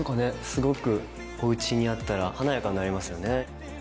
すごくおうちにあったら華やかになりますよね。